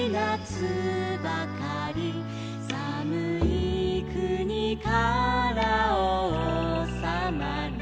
「さむいくにからおうさまに」